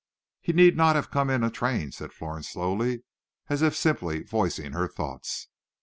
"He need not have come in a train," said Florence slowly, as if simply voicing her thoughts.